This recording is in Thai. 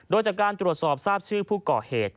โดยจากการตรวจสอบทราบชื่อผู้ก่อเหตุ